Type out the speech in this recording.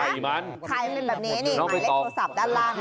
ไข่มันเป็นแบบนี้โทรศัพท์ด้านล่าง